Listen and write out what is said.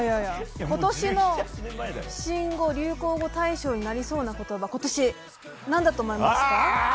今年の新語・流行語大賞になりそうな言葉何だと思いますか？